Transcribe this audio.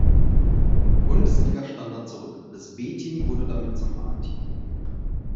Bundesliga Standard zurück, das B-Team wurde damit zum A-Team.